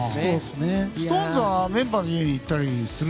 ＳｉｘＴＯＮＥＳはメンバーの家に行ったりする？